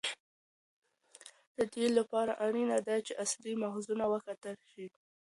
د دې لپاره اړینه ده چې اصلي ماخذونه وکتل شي.